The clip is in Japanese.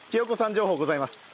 情報ございます。